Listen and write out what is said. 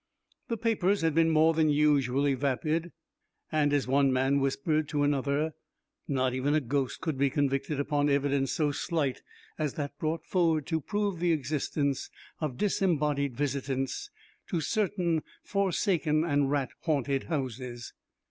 The papers had been more than usually vapid, and, as one man whispered to another, not even a ghost could be convicted upon evidence so slight as that brought forward to prove the existence of disembodied visitants to certain forsaken and rat haunted houses.